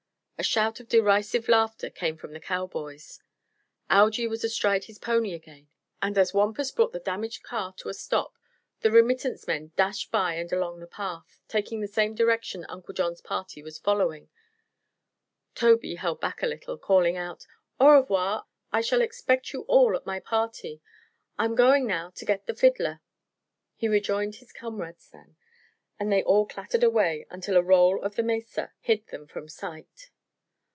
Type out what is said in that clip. A shout of derisive laughter came from the cowboys. Algy was astride his pony again, and as Wampus brought the damaged car to a stop the remittance men dashed by and along the path, taking the same direction Uncle John's party was following". Tobey held back a little, calling out: "Au revoir! I shall expect you all at my party. I'm going now to get the fiddler." He rejoined his comrades then, and they all clattered away until a roll of the mesa hid them from sight.